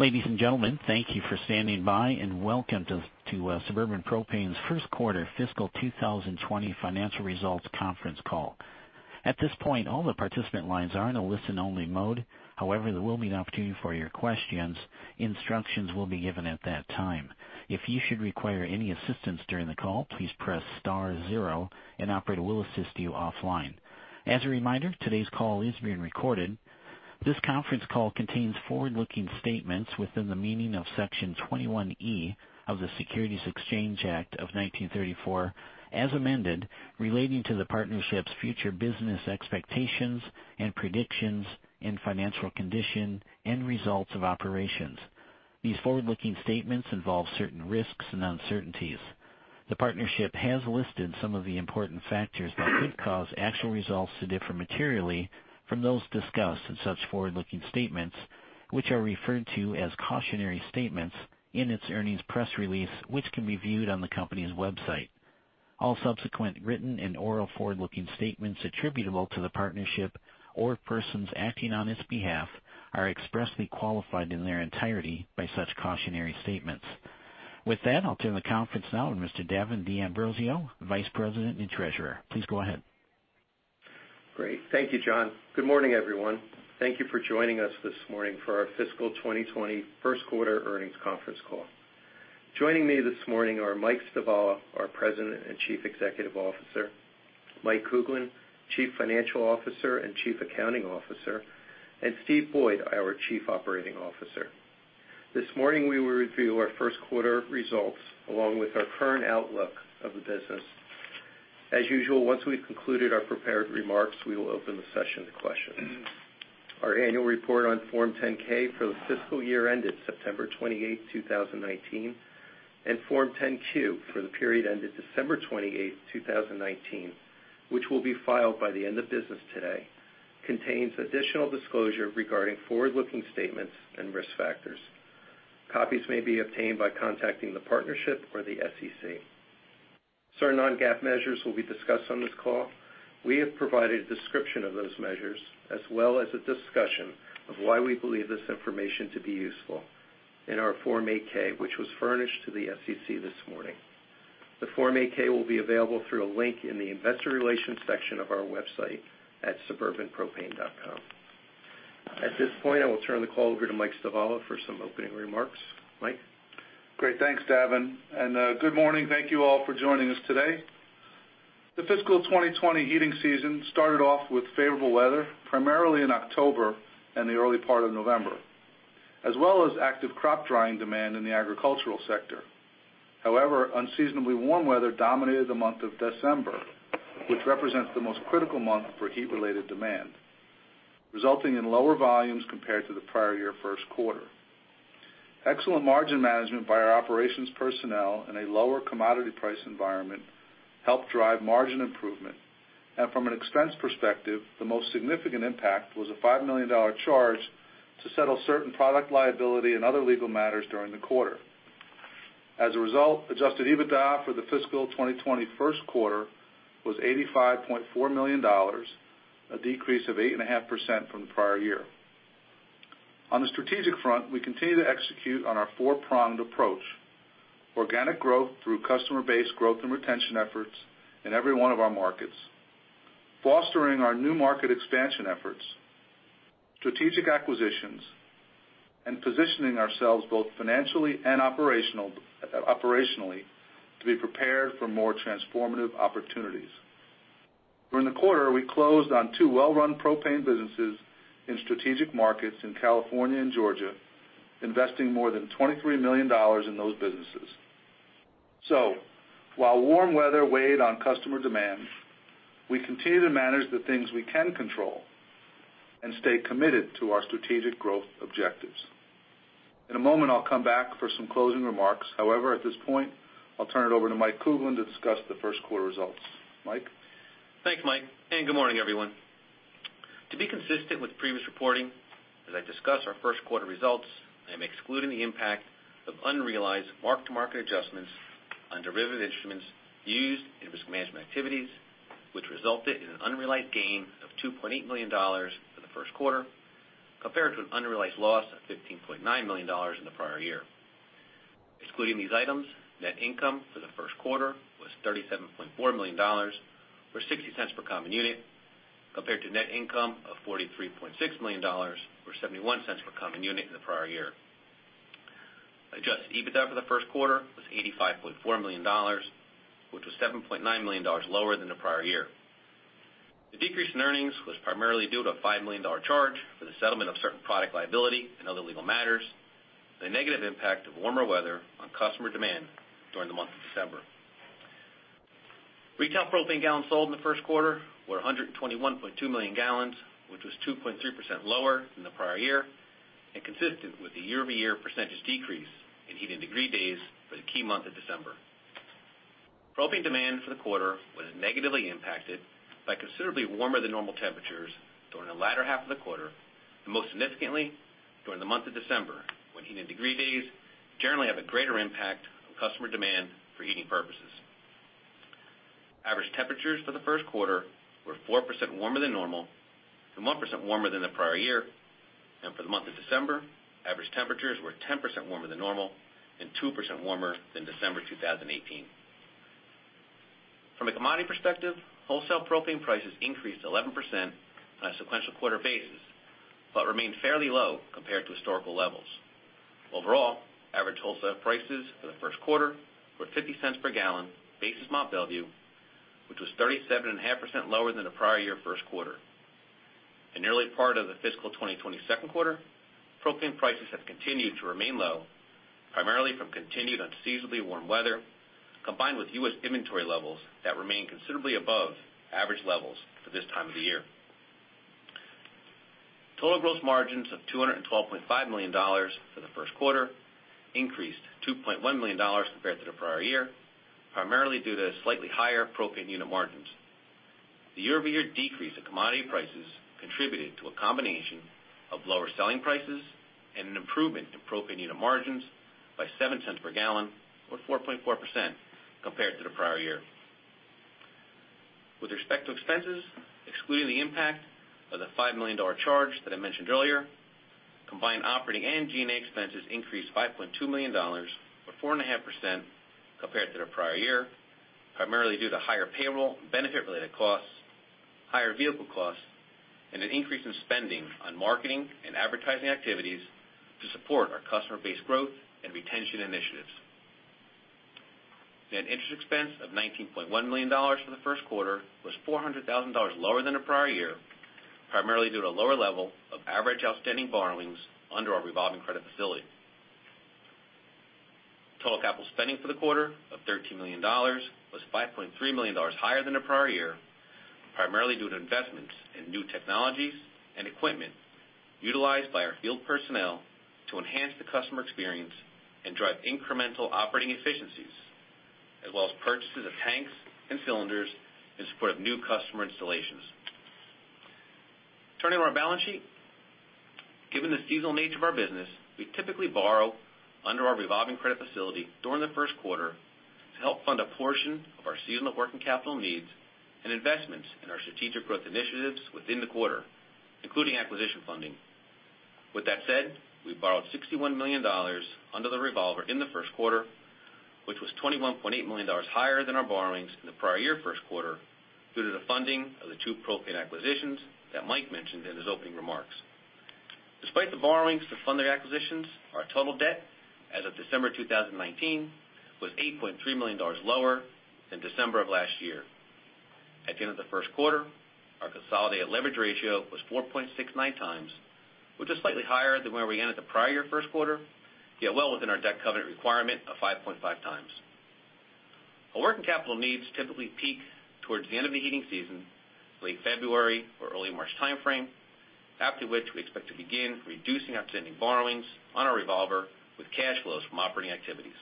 Ladies and gentlemen, thank you for standing by, and welcome to Suburban Propane Partners' first quarter fiscal 2020 financial results conference call. At this point, all the participant lines are in a listen-only mode. However, there will be an opportunity for your questions. Instructions will be given at that time. If you should require any assistance during the call, please press star zero. An operator will assist you offline. As a reminder, today's call is being recorded. This conference call contains forward-looking statements within the meaning of Section 21E of the Securities Exchange Act of 1934, as amended, relating to the partnership's future business expectations and predictions and financial condition and results of operations. These forward-looking statements involve certain risks and uncertainties. The partnership has listed some of the important factors that could cause actual results to differ materially from those discussed in such forward-looking statements, which are referred to as cautionary statements in its earnings press release, which can be viewed on the company's website. All subsequent written and oral forward-looking statements attributable to the partnership or persons acting on its behalf are expressly qualified in their entirety by such cautionary statements. With that, I'll turn the conference now to Mr. Davin D'Ambrosio, Vice President and Treasurer. Please go ahead. Great. Thank you, John. Good morning, everyone. Thank you for joining us this morning for our fiscal 2020 first quarter earnings conference call. Joining me this morning are Mike Stivala, our President and Chief Executive Officer, Mike Kuglin, Chief Financial Officer and Chief Accounting Officer, and Steve Boyd, our Chief Operating Officer. This morning, we will review our first quarter results, along with our current outlook of the business. As usual, once we've concluded our prepared remarks, we will open the session to questions. Our annual report on Form 10-K for the fiscal year ended September 28, 2019, and Form 10-Q for the period ended December 28, 2019, which will be filed by the end of business today, contains additional disclosure regarding forward-looking statements and risk factors. Copies may be obtained by contacting the partnership or the SEC. Certain non-GAAP measures will be discussed on this call. We have provided a description of those measures as well as a discussion of why we believe this information to be useful in our Form 8-K, which was furnished to the SEC this morning. The Form 8-K will be available through a link in the investor relations section of our website at suburbanpropane.com. At this point, I will turn the call over to Mike Stivala for some opening remarks. Mike? Great. Thanks, Davin. Good morning. Thank you all for joining us today. The fiscal 2020 heating season started off with favorable weather, primarily in October and the early part of November, as well as active crop drying demand in the agricultural sector. However, unseasonably warm weather dominated the month of December, which represents the most critical month for heat-related demand, resulting in lower volumes compared to the prior year first quarter. Excellent margin management by our operations personnel and a lower commodity price environment helped drive margin improvement. From an expense perspective, the most significant impact was a $5 million charge to settle certain product liability and other legal matters during the quarter. As a result, Adjusted EBITDA for the fiscal 2020 first quarter was $85.4 million, a decrease of 8.5% from the prior year. On the strategic front, we continue to execute on our four-pronged approach. Organic growth through customer base growth and retention efforts in every one of our markets, fostering our new market expansion efforts, strategic acquisitions, and positioning ourselves both financially and operationally to be prepared for more transformative opportunities. During the quarter, we closed on two well-run propane businesses in strategic markets in California and Georgia, investing more than $23 million in those businesses. While warm weather weighed on customer demand, we continue to manage the things we can control and stay committed to our strategic growth objectives. In a moment, I'll come back for some closing remarks. At this point, I'll turn it over to Mike Kuglin to discuss the first quarter results. Mike? Thanks, Mike, and good morning, everyone. To be consistent with previous reporting, as I discuss our first quarter results, I'm excluding the impact of unrealized mark-to-market adjustments on derivative instruments used in risk management activities, which resulted in an unrealized gain of $2.8 million for the first quarter, compared to an unrealized loss of $15.9 million in the prior year. Excluding these items, net income for the first quarter was $37.4 million, or $0.60 per common unit, compared to net income of $43.6 million, or $0.71 per common unit in the prior year. Adjusted EBITDA for the first quarter was $85.4 million, which was $7.9 million lower than the prior year. The decrease in earnings was primarily due to a $5 million charge for the settlement of certain product liability and other legal matters, the negative impact of warmer weather on customer demand during the month of December. Retail propane gallons sold in the first quarter were 121.2 million gallons, which was 2.3% lower than the prior year and consistent with the year-over-year percentage decrease in heating degree days for the key month of December. Propane demand for the quarter was negatively impacted by considerably warmer than normal temperatures during the latter half of the quarter, and most significantly during the month of December, when heating degree days generally have a greater impact on customer demand for heating purposes. Temperatures for the first quarter were 4% warmer than normal and 1% warmer than the prior year. For the month of December, average temperatures were 10% warmer than normal and 2% warmer than December 2018. From a commodity perspective, wholesale propane prices increased 11% on a sequential quarter basis, but remained fairly low compared to historical levels. Overall, average wholesale prices for the first quarter were $0.50 per gallon, basis Mont Belvieu, which was 37.5% lower than the prior year first quarter. In the early part of the fiscal 2020 second quarter, propane prices have continued to remain low, primarily from continued unseasonably warm weather, combined with U.S. inventory levels that remain considerably above average levels for this time of the year. Total gross margins of $212.5 million for the first quarter increased to $2.1 million compared to the prior year, primarily due to slightly higher propane unit margins. The year-over-year decrease in commodity prices contributed to a combination of lower selling prices and an improvement in propane unit margins by $0.7 per gallon or 4.4% compared to the prior year. With respect to expenses, excluding the impact of the $5 million charge that I mentioned earlier, combined operating and G&A expenses increased $5.2 million or 4.5% compared to the prior year, primarily due to higher payroll and benefit-related costs, higher vehicle costs, and an increase in spending on marketing and advertising activities to support our customer base growth and retention initiatives. Net interest expense of $19.1 million for the first quarter was $400,000 lower than the prior year, primarily due to lower level of average outstanding borrowings under our revolving credit facility. Total capital spending for the quarter of $13 million was $5.3 million higher than the prior year, primarily due to investments in new technologies and equipment utilized by our field personnel to enhance the customer experience and drive incremental operating efficiencies as well as purchases of tanks and cylinders in support of new customer installations. Turning to our balance sheet. Given the seasonal nature of our business, we typically borrow under our revolving credit facility during the first quarter to help fund a portion of our seasonal working capital needs and investments in our strategic growth initiatives within the quarter, including acquisition funding. With that said, we borrowed $61 million under the revolver in the first quarter, which was $21.8 million higher than our borrowings in the prior year first quarter due to the funding of the two propane acquisitions that Mike mentioned in his opening remarks. Despite the borrowings to fund the acquisitions, our total debt as of December 2019 was $8.3 million lower than December of last year. At the end of the first quarter, our consolidated leverage ratio was 4.69 times, which is slightly higher than where we ended the prior year first quarter, yet well within our debt covenant requirement of 5.5 times. Our working capital needs typically peak towards the end of the heating season, late February or early March timeframe, after which we expect to begin reducing outstanding borrowings on our revolver with cash flows from operating activities.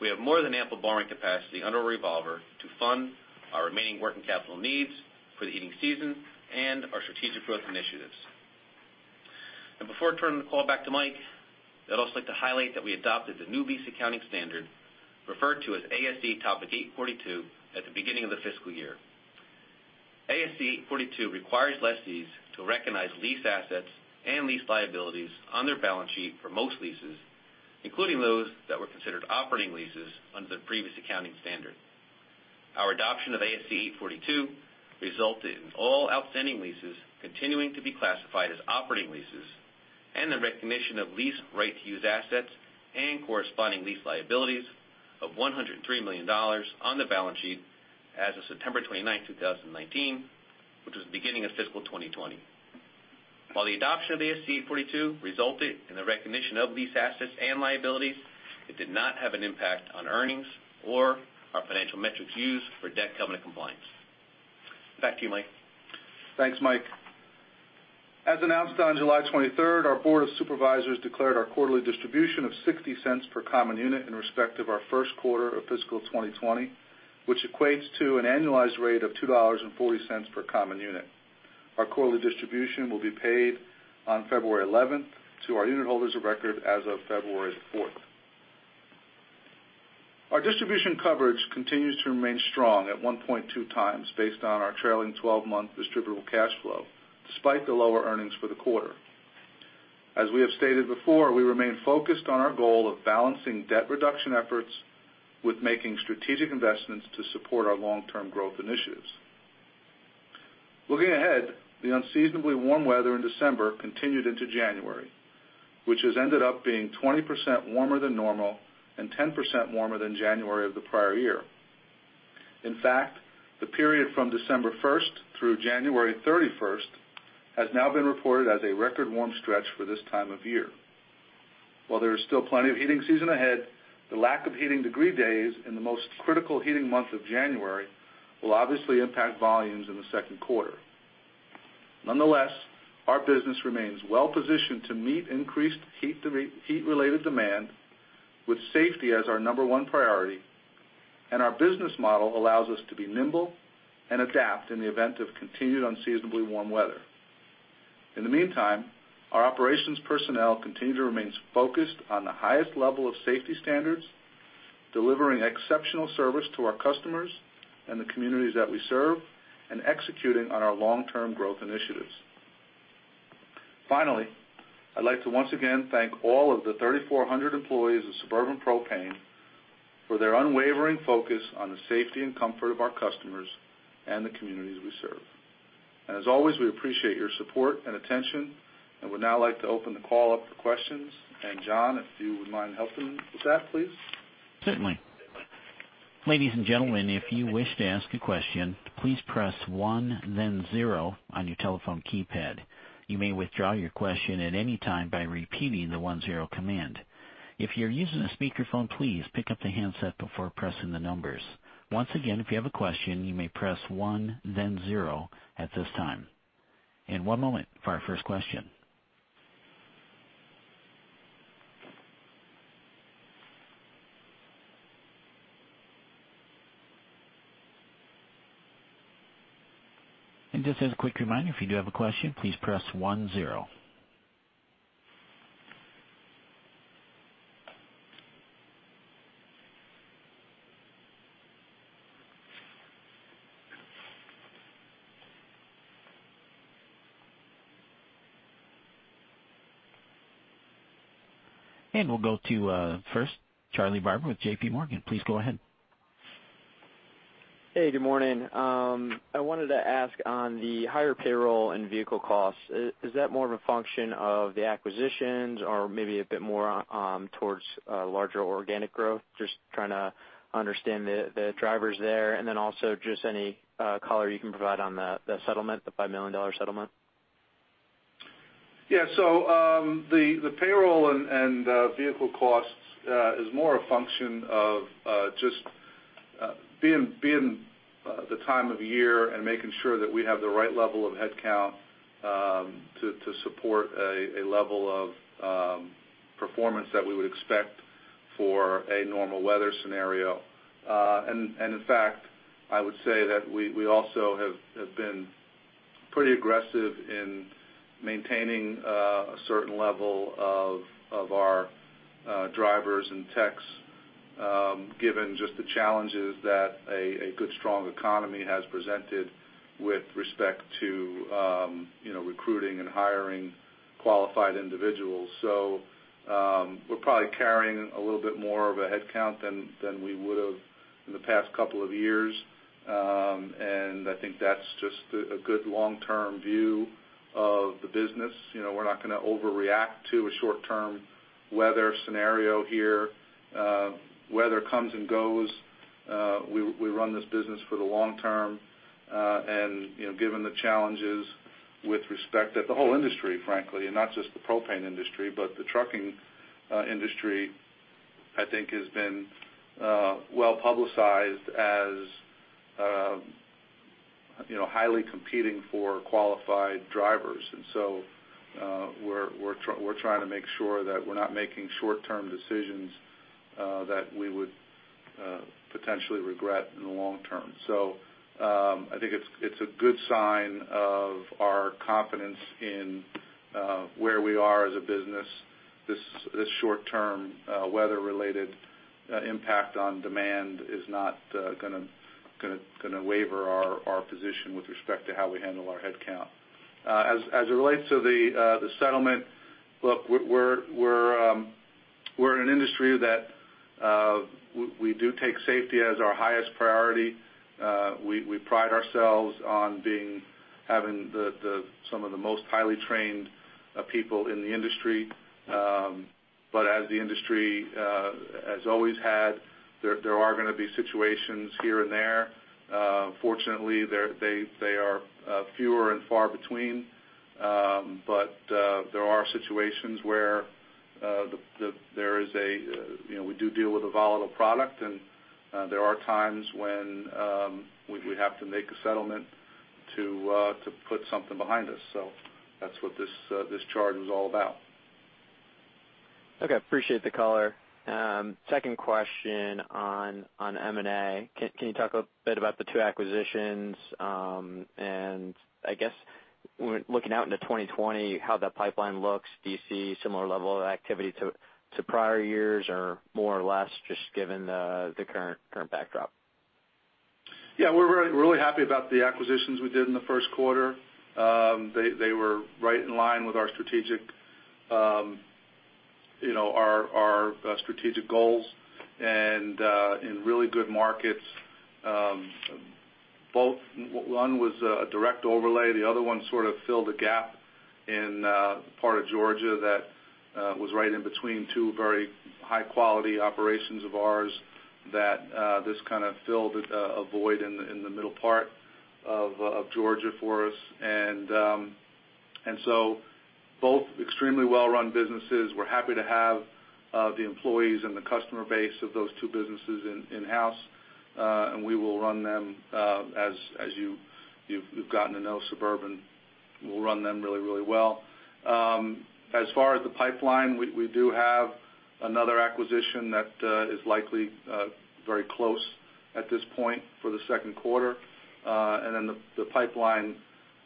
We have more than ample borrowing capacity under our revolver to fund our remaining working capital needs for the heating season and our strategic growth initiatives. Now before I turn the call back to Mike, I'd also like to highlight that we adopted the new lease accounting standard referred to as ASC Topic 842 at the beginning of the fiscal year. ASC 842 requires lessees to recognize lease assets and lease liabilities on their balance sheet for most leases, including those that were considered operating leases under the previous accounting standard. Our adoption of ASC 842 resulted in all outstanding leases continuing to be classified as operating leases and the recognition of lease right-to-use assets and corresponding lease liabilities of $103 million on the balance sheet as of September 29th, 2019, which was the beginning of fiscal 2020. While the adoption of ASC 842 resulted in the recognition of lease assets and liabilities, it did not have an impact on earnings or our financial metrics used for debt covenant compliance. Back to you, Mike. Thanks, Mike. As announced on July 23rd, our Board of Supervisors declared our quarterly distribution of $0.60 per common unit in respect of our first quarter of fiscal 2020, which equates to an annualized rate of $2.40 per common unit. Our quarterly distribution will be paid on February 11th to our unitholders of record as of February 4th. Our distribution coverage continues to remain strong at 1.2 times based on our trailing 12-month distributable cash flow, despite the lower earnings for the quarter. As we have stated before, we remain focused on our goal of balancing debt reduction efforts with making strategic investments to support our long-term growth initiatives. Looking ahead, the unseasonably warm weather in December continued into January, which has ended up being 20% warmer than normal and 10% warmer than January of the prior year. In fact, the period from December 1st through January 31st has now been reported as a record warm stretch for this time of year. While there is still plenty of heating season ahead, the lack of heating degree days in the most critical heating month of January will obviously impact volumes in the second quarter. Nonetheless, our business remains well-positioned to meet increased heat-related demand with safety as our number one priority, and our business model allows us to be nimble and adapt in the event of continued unseasonably warm weather. In the meantime, our operations personnel continue to remain focused on the highest level of safety standards, delivering exceptional service to our customers and the communities that we serve, and executing on our long-term growth initiatives. I'd like to once again thank all of the 3,400 employees of Suburban Propane for their unwavering focus on the safety and comfort of our customers and the communities we serve. As always, we appreciate your support and attention and would now like to open the call up for questions. John, if you would mind helping with that, please. Certainly. Ladies and gentlemen, if you wish to ask a question, please press one then zero on your telephone keypad. You may withdraw your question at any time by repeating the one-zero command. If you're using a speakerphone, please pick up the handset before pressing the numbers. Once again, if you have a question, you may press one then zero at this time. One moment for our first question. Just as a quick reminder, if you do have a question, please press one, zero. We'll go to, first, Charlie Barber with JPMorgan. Please go ahead. Hey, good morning. I wanted to ask on the higher payroll and vehicle costs, is that more of a function of the acquisitions or maybe a bit more towards larger organic growth? Just trying to understand the drivers there. Then also just any color you can provide on the settlement, the $5 million settlement. Yeah. The payroll and vehicle costs is more a function of just being the time of year and making sure that we have the right level of headcount to support a level of performance that we would expect for a normal weather scenario. In fact, I would say that we also have been pretty aggressive in maintaining a certain level of our drivers and techs, given just the challenges that a good, strong economy has presented with respect to recruiting and hiring qualified individuals. We're probably carrying a little bit more of a headcount than we would've in the past couple of years. I think that's just a good long-term view of the business. We're not going to overreact to a short-term weather scenario here. Weather comes and goes. We run this business for the long term. Given the challenges with respect to the whole industry, frankly, and not just the propane industry, but the trucking industry, I think has been well-publicized as highly competing for qualified drivers. We're trying to make sure that we're not making short-term decisions that we would potentially regret in the long term. I think it's a good sign of our confidence in where we are as a business. This short-term, weather-related impact on demand is not going to waver our position with respect to how we handle our headcount. As it relates to the settlement, look, we're in an industry that we do take safety as our highest priority. We pride ourselves on having some of the most highly trained people in the industry. As the industry has always had, there are going to be situations here and there. Fortunately, they are fewer and far between. There are situations where we do deal with a volatile product, and there are times when we have to make a settlement to put something behind us. That's what this charge was all about. Okay. Appreciate the color. Second question on M&A. Can you talk a bit about the two acquisitions? I guess when looking out into 2020, how that pipeline looks. Do you see similar level of activity to prior years or more or less just given the current backdrop? Yeah. We're really happy about the acquisitions we did in the first quarter. They were right in line with our strategic goals and in really good markets. One was a direct overlay. The other one sort of filled a gap in a part of Georgia that was right in between two very high-quality operations of ours that just kind of filled a void in the middle part of Georgia for us. Both extremely well-run businesses. We're happy to have the employees and the customer base of those two businesses in-house. We will run them, as you've gotten to know Suburban, we'll run them really, really well. As far as the pipeline, we do have another acquisition that is likely very close at this point for the second quarter. The pipeline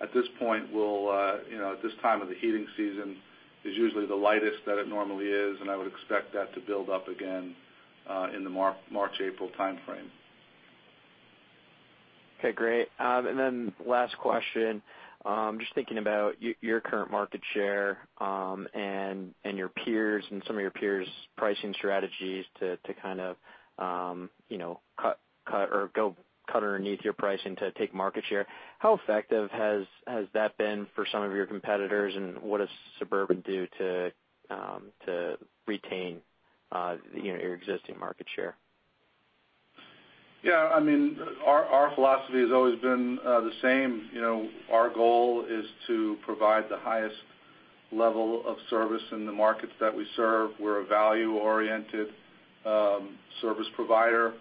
at this point, at this time of the heating season, is usually the lightest that it normally is, and I would expect that to build up again in the March, April timeframe. Okay, great. Last question. Just thinking about your current market share and your peers and some of your peers' pricing strategies to kind of cut or go cut underneath your pricing to take market share, how effective has that been for some of your competitors, and what does Suburban do to retain your existing market share? Yeah. Our philosophy has always been the same. Our goal is to provide the highest level of service in the markets that we serve. We're a value-oriented service provider.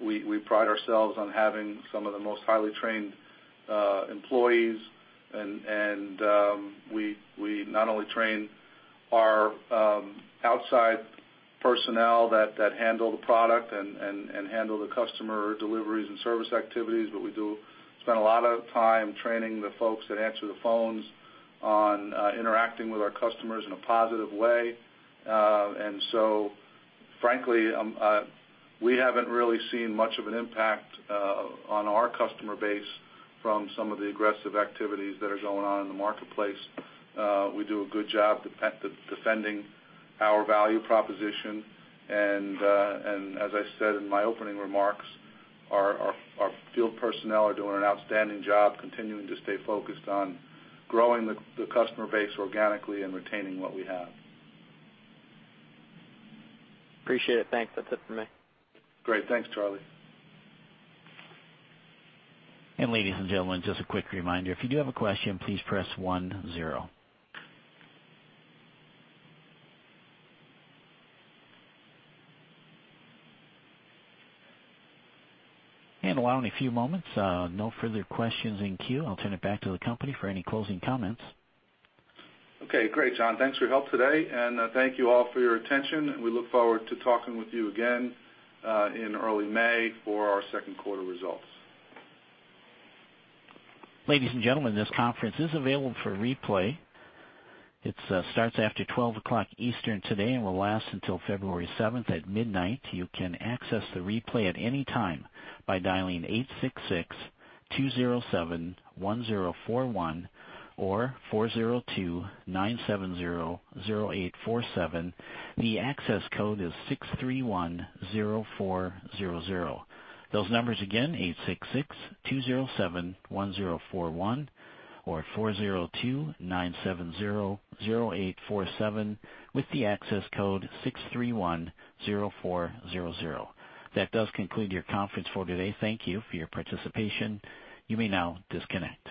We pride ourselves on having some of the most highly trained employees, and we not only train our outside personnel that handle the product and handle the customer deliveries and service activities, but we do spend a lot of time training the folks that answer the phones on interacting with our customers in a positive way. Frankly, we haven't really seen much of an impact on our customer base from some of the aggressive activities that are going on in the marketplace. We do a good job defending our value proposition. As I said in my opening remarks, our field personnel are doing an outstanding job continuing to stay focused on growing the customer base organically and retaining what we have. Appreciate it. Thanks. That's it for me. Great. Thanks, Charlie. Ladies and gentlemen, just a quick reminder, if you do have a question, please press 10. Allowing a few moments, no further questions in queue. I'll turn it back to the company for any closing comments. Okay, great, John. Thanks for your help today, and thank you all for your attention. We look forward to talking with you again in early May for our second quarter results. Ladies and gentlemen, this conference is available for replay. It starts after 12 o'clock Eastern today and will last until February 7th at midnight. You can access the replay at any time by dialing 866-207-1041 or 402-970-0847. The access code is 6310400. Those numbers again, 866-207-1041 or 402-970-0847 with the access code 6310400. That does conclude your conference for today. Thank you for your participation. You may now disconnect.